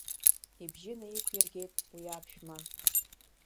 Ибжьы наиқәиргеит уи аԥшәма.